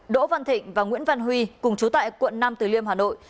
đỗ văn thịnh và nguyễn văn huy cùng chú tại quận nam từ liêm hà nội